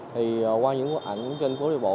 thì qua những bức ảnh trên phố ghi bộ